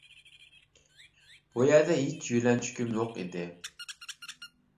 بۇ يەردە ھېچ يۆلەنچۈكۈم يوق ئىدى.